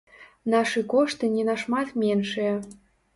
Нашы кошты не нашмат меншыя.